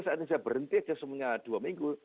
saat indonesia berhenti ada seminggu dua minggu